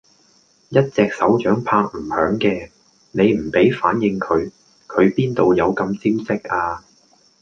一隻手掌拍唔響嘅，你唔俾反應佢，佢邊度有咁招積呀？